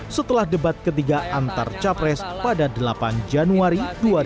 setelah debat ketiga antar capres pada delapan januari dua ribu dua puluh